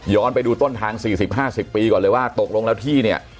ไปดูต้นทาง๔๐๕๐ปีก่อนเลยว่าตกลงแล้วที่เนี่ย